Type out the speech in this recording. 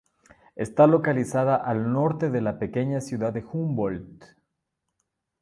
Está localizada al norte de la pequeña ciudad de Humboldt.